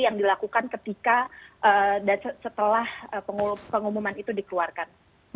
yang dilakukan ketika setelah pengumuman itu dikeluarkan